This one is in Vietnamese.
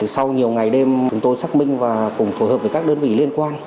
sau nhiều ngày đêm chúng tôi xác minh và cùng phối hợp với các đơn vị liên quan